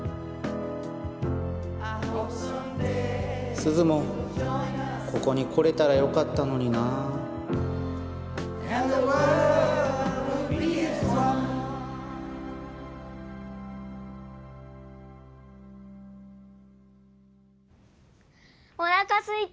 すずもここに来れたらよかったのになおなかすいた！